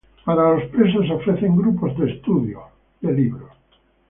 Para los presos, se ofrecen grupos de estudios bíblicos.